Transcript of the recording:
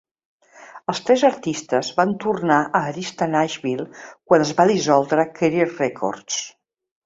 Els tres artistes van tornar a Arista Nashville quan es va dissoldre Career Records.